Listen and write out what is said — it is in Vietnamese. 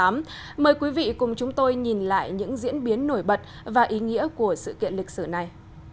mời quý vị cùng chúng tôi nhìn lại những diễn biến nổi bật và ý nghĩa của sự kiện lịch sử này